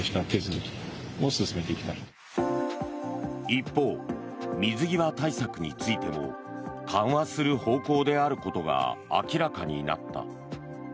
一方、水際対策についても緩和する方向であることが明らかになった。